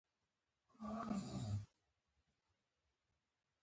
طلایي ګنبدې نه تر وتلو وروسته یوه بله پوښتنه پیدا شوه.